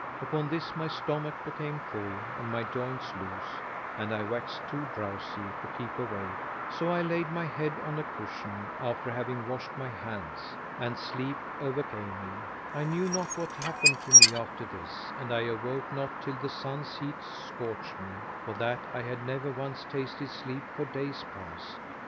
Upon this my stomach became full and my joints loose and I waxed too drowsy to keep awake; so I laid my head on a cushion, after having washed my hands, and sleep over came me; I knew not what happened to me after this, and I awoke not till the sun's heat scorched me, for that I had never once tasted sleep for days past.